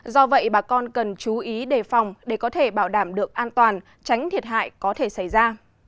do vậy bà con cần chú ý đề phòng để có thể bảo đảm được an toàn tránh thiệt hại có thể xảy ra